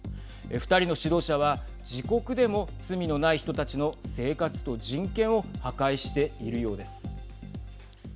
２人の指導者は自国でも罪のない人たちの生活と人権を破壊しているようです。